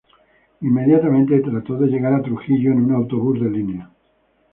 Inmediatamente trató de llegar a Trujillo en un autobús de línea.